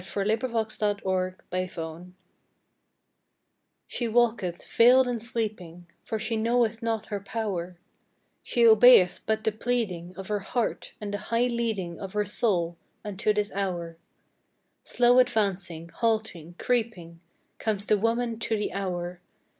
SHE WALKETH VEILED AND SLEEPING * She walketh veiled and sleeping, For she knoweth not her power; She obeyeth but the pleading Of her heart, and the high leading Of her soul, unto this hour. Slow advancing, halting, creeping, Comes the Woman to the hour!